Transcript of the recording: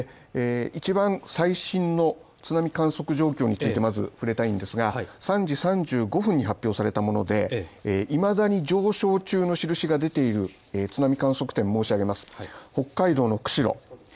一番最新の津波観測状況についてまずふれたいんですが３時３５分に発表されたものでいまだに上昇中の印が出ている津波観測点申し上げます北海道の釧路